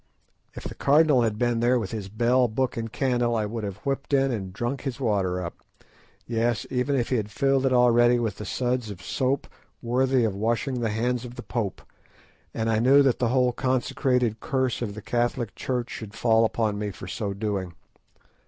If the Cardinal had been there with his bell, book, and candle, I would have whipped in and drunk his water up; yes, even if he had filled it already with the suds of soap "worthy of washing the hands of the Pope," and I knew that the whole consecrated curse of the Catholic Church should fall upon me for so doing.